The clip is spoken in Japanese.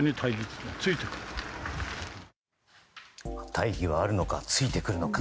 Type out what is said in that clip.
大義はあるのかついてくるのか。